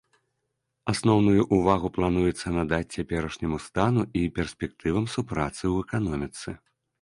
Асноўную ўвагу плануецца надаць цяперашняму стану і перспектывам супрацы ў эканоміцы.